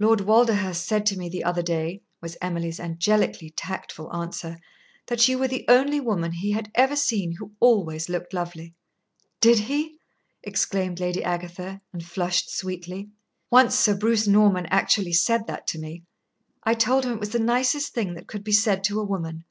"Lord Walderhurst said to me the other day," was Emily's angelically tactful answer, "that you were the only woman he had ever seen who always looked lovely." "Did he?" exclaimed Lady Agatha, and flushed sweetly. "Once Sir Bruce Norman actually said that to me. I told him it was the nicest thing that could be said to a woman.